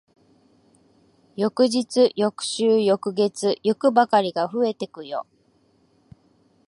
翌日、翌週、翌月、欲ばかりが増えてくよ。